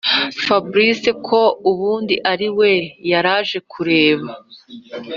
fabric ko ubundi ariwe yaraje kureba.